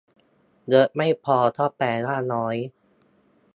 เยอะไม่พอก็แปลว่าน้อย